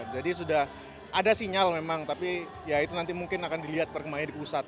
sudah ada sinyal memang tapi ya itu nanti mungkin akan dilihat perkembangannya di pusat